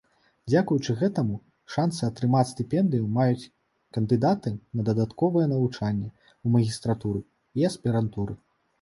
Дзякуючы гэтаму, шанцы атрымаць стыпендыю маюць кандыдаты на дадатковае навучанне ў магістратуры і аспірантуры.